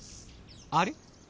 あれ？